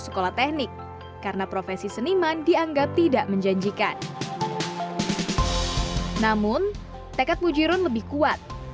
sekolah teknik karena profesi seniman dianggap tidak menjanjikan namun tekad mujirun lebih kuat